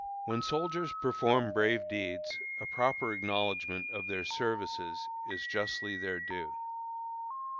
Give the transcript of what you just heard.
When soldiers perform brave deeds, a proper acknowledgment of their services is justly their due.